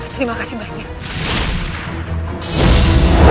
terima kasih banyak oso